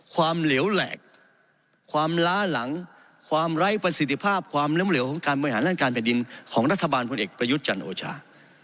เหลวแหลกความล้าหลังความไร้ประสิทธิภาพความล้มเหลวของการบริหารด้านการแผ่นดินของรัฐบาลพลเอกประยุทธ์จันทร์โอชา